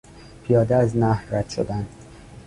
پیاده از نهر رد شدن